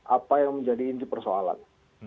apa yang menjadi inti persoalan